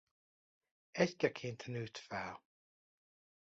Egykeként nőtt fel.